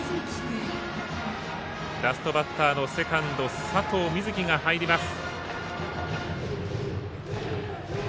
ラストバッターのセカンドの佐藤瑞祇が入ります。